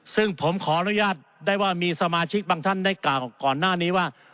ซึ่งผมขออนุญาตได้ว่ามีสมาชิกบางท่านได้กล่าวก่อนหน้านี้ว่า